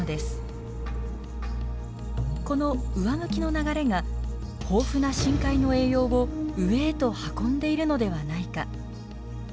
この上向きの流れが豊富な深海の栄養を上へと運んでいるのではないか？